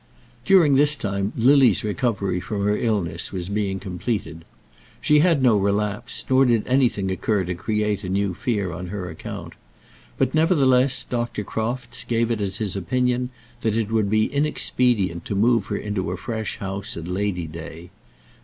During this time Lily's recovery from her illness was being completed. She had no relapse, nor did anything occur to create a new fear on her account. But, nevertheless, Dr. Crofts gave it as his opinion that it would be inexpedient to move her into a fresh house at Lady day.